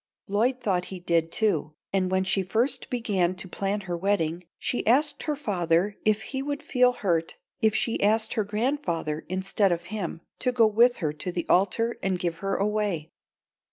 Lloyd thought he did, too, and when she first began to plan her wedding she asked her father if he would feel hurt if she asked her grandfather instead of him to go with her to the altar and give her away.